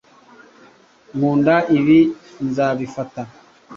Nkunda ibi. Nzabifata.